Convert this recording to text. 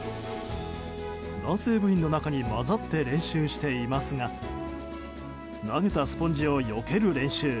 男性部員の中に混ざって練習していますが投げたスポンジをよける練習。